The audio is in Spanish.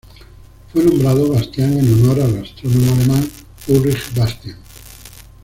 Fue nombrado Bastian en honor al astrónomo alemán Ulrich Bastian.